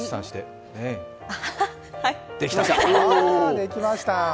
できました。